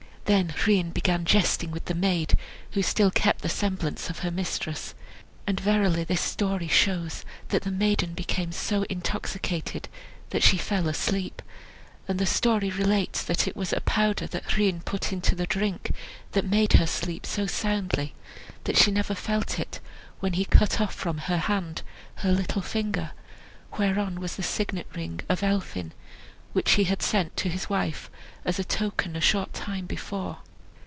Then Rhun began jesting with the maid, who still kept the semblance of her mistress. And verily this story shows that the maiden became so intoxicated that she fell asleep; and the story relates that it was a powder that Rhun put into the drink, that made her sleep so soundly that she never felt it when he cut off from her hand her little finger, whereon was the signet ring of Elphin, which he had sent to his wife as a token a short time before.